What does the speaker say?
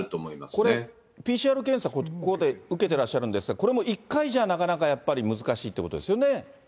これ、ＰＣＲ検査、ここで受けていらっしゃるんですが、これも１回じゃ、なかなかやっぱり難しいっていうことですよね？